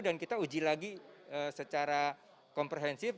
dan kita uji lagi secara komprehensif